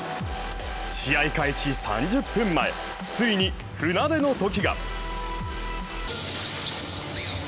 試合開始３０分前、ついに船出のときが。